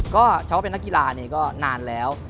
ก็ชาวเป็นนักกีฬานี่ก็นานแล้ว